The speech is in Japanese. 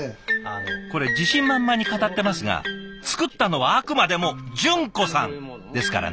これ自信満々に語ってますが作ったのはあくまでも淳子さんですからね。